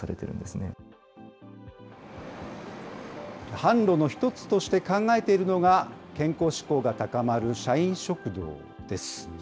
販路の１つとして考えているのが、健康志向が高まる社員食堂です。